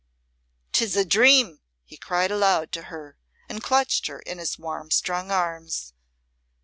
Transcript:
"'Tis a dream," he cried aloud to her and clutched her in his warm, strong arms.